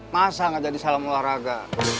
masa nggak jadi salam olahraga